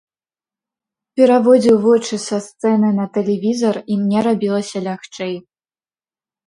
Пераводзіў вочы са сцэны на тэлевізар, і мне рабілася лягчэй.